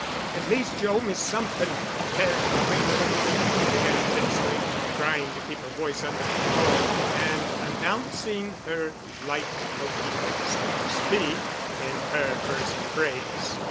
"At least you owe me something, Barry Quinlevin," she began tensely, trying to keep her voice under control, and announcing her leit motif, so to speak, in her first phrase.